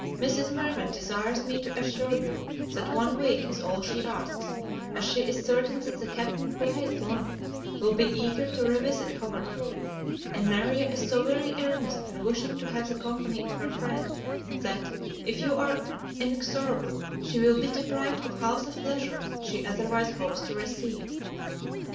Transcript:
Mrs. Mirvan desires me to assure you that one week is all she asks, as she is certain that the Captain, who hates London, will be eager to revisit Howard Grove; and Maria is so very earnest in wishing to have the company of her friend, that, if you are inexorable, she will be deprived of half the pleasure she otherwise hopes to receive.